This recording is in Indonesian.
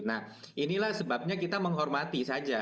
nah inilah sebabnya kita menghormati saja